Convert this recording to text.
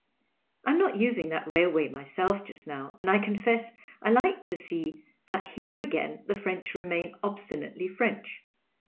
I am not using that railway myself just now, and I confess I like to see that here again the French remain obstinately French.